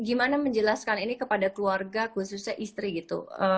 gimana menjelaskan ini kepada keluarga khususnya istri gitu